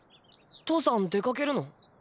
父さん出かけるの？